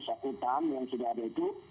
sakutan yang sudah ada itu